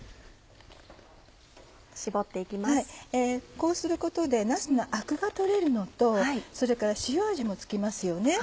こうすることでなすのアクが取れるのとそれから塩味も付きますよね。